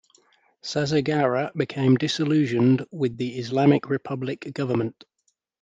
Sazegara became disillusioned with the Islamic Republic government.